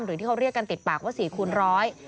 หรือที่เขาเรียกกันติดปากว่า๔คูณร้อย